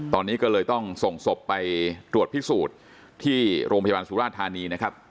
ตอนนี้ก็เลยต้องส่งศพไปตรวจพิสูจน์ที่โรงพยาบาลสุราธานีนะครับ